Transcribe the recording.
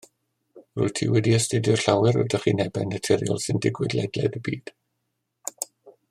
Rwyt ti wedi astudio llawer o drychinebau naturiol sy'n digwydd ledled y byd